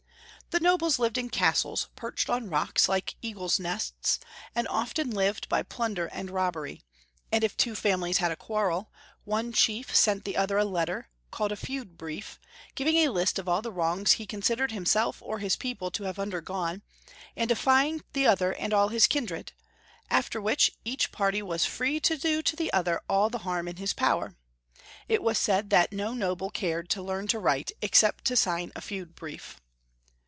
The nobles lived in castles perched on rocks like eagles' nests, and often lived by plunder and robbery, and if two families had a quarrel, one chief sent the other a letter, called a feud brief, giving a list of all the wrongs he considered liimself or his people to have imdergone, and defying the other and all his kin dred, after which, each party was free to do the ld2 Bodolf. 195 other all the harm in his power. It was said that no noble cared to learn to write except to sign a feud brief.